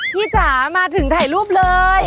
จ๋ามาถึงถ่ายรูปเลย